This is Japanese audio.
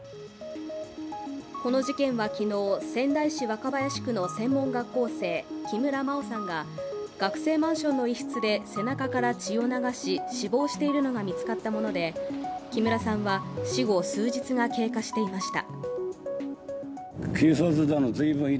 この事件は昨日、仙台市若林区の専門学校生、木村真緒さんが学生マンションの一室で背中から血を流し、死亡しているのが見つかったもので木村さんは死後数日が経過していました。